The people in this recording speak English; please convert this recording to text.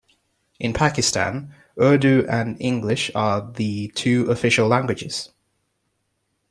In Pakistan, Urdu and English are the two official languages.